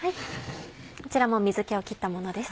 こちらも水気を切ったものです。